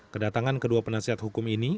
kedatangan kedua penasihat hukum ini